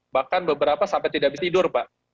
bahkan beberapa sampai tidak habis tidur pak